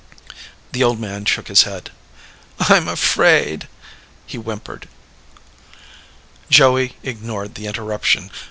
The old man shook his head. "I'm afraid," he whimpered. Joey ignored the interruption.